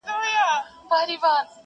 پښتون ژغورني غورځنګ ته!!